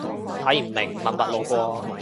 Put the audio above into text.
睇唔明，默默路過